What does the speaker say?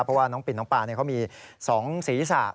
เพราะว่าน้องปินน้องปาเขามี๒ศีรษะ